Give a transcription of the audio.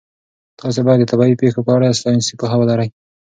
تاسي باید د طبیعي پېښو په اړه ساینسي پوهه ولرئ.